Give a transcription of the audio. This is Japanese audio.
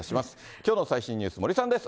きょうの最新ニュース、森さんです。